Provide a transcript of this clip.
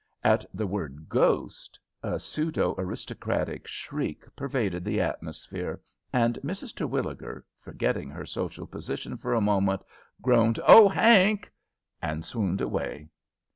At the word ghost a pseudo aristocratic shriek pervaded the atmosphere, and Mrs. Terwilliger, forgetting her social position for a moment, groaned "Oh, Hank!" and swooned away.